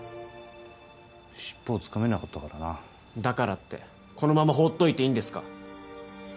シッポをつかめなかったからなだからってこのまま放っておいていいんですか？